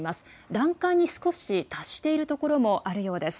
欄干に少し達している所もあるようです。